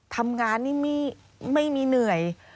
ทำงานนี่ไม่มีเหนื่อย